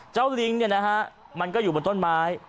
ลิงค์เนี่ยนะฮะมันก็อยู่บนต้นไม้